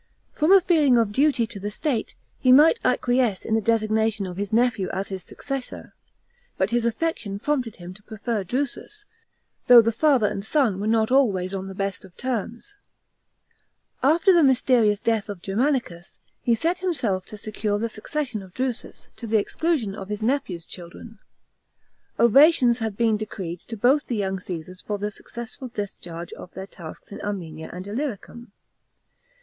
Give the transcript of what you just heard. From a feeling of duty to the state, he might acquiesce in the designation of his nephew as his successor, but his affection prompted him to prefer Drusus, though the father and son were not always on the best terms. After the mysterious death of Germanicus, he set himself to secure the succession of Drusus, to the exclusion of his nephew's children. Ovations had been decreed to both the young Csesars for the successful discharge of their fcasks hi Armenia and Illyricum.